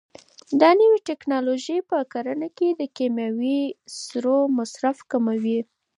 دا نوې ټیکنالوژي په کرنه کې د کیمیاوي سرو مصرف کموي.